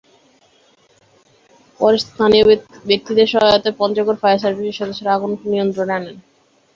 পরে স্থানীয় ব্যক্তিদের সহায়তায় পঞ্চগড় ফায়ার সার্ভিসের সদস্যরা আগুন নিয়ন্ত্রণে আনেন।